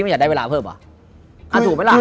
อยากได้เวลาเพิ่มหรอ